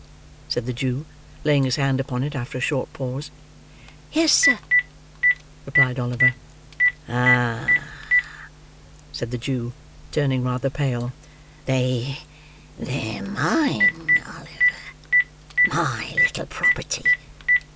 said the Jew, laying his hand upon it after a short pause. "Yes, sir," replied Oliver. "Ah!" said the Jew, turning rather pale. "They—they're mine, Oliver; my little property.